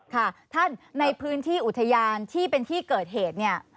ค่ะท่านในพื้นที่อุทยานที่เป็นที่เกิดเหตุเนี่ย